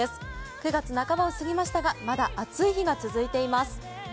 ９月半ばを過ぎましたがまだ暑い日が続いています。